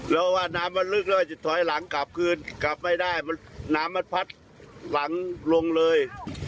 แล้วว่าน้ำมันลึกแล้วจะถอยหลังกลับคืนกลับไม่ได้มันน้ำมันพัดหลังลงเลย